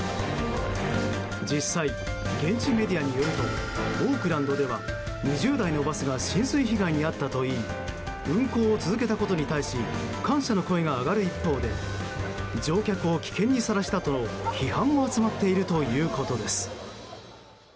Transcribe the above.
実際、現地メディアによるとオークランドでは２０台のバスが浸水被害に遭ったといい運行を続けたことに対し感謝の声が上がる一方で乗客を危険にさらしたとの批判も集まっているということです。